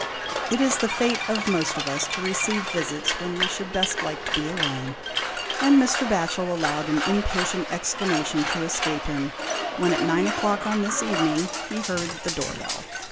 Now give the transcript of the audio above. It is the fate of most of us to receive visits when we should best like to be alone, and Mr. Batchel allowed an impatient exclamation to escape him, when, at nine o'clock on this evening, he heard the door bell.